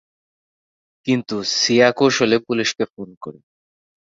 কিন্তু সিয়া কৌশলে পুলিশকে ফোন করে।